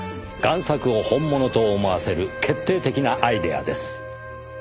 贋作を本物と思わせる決定的なアイデアです。